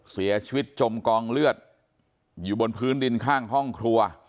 จมกองเลือดอยู่บนพื้นดินข้างห้องครัว